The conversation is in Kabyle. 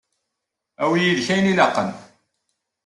Awi yid-k ayen i ilaqen.